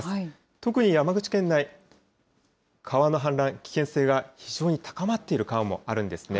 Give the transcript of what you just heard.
特に山口県内、川の氾濫、危険性が非常に高まっている川もあるんですね。